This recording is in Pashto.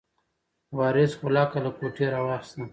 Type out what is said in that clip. وارث غولکه له کوټې راواخیسته.